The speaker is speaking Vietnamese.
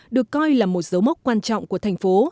được coi là một dấu mốc quan trọng của thành phố